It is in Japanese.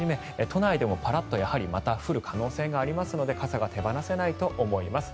都内でもパラッとやはりまた降る可能性がありますので傘が手放せないと思います。